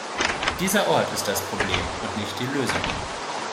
Dieser Ort ist das Problem und nicht die Lösung.